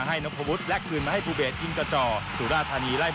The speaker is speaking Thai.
อันดับที่๑